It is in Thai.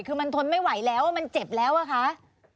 คือมันทนไม่ไหวแล้วมันเจ็บแล้วอะคะ